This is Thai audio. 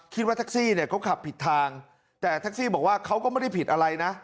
คืนวัลที่๓๐ธันมาครมตี๒ได้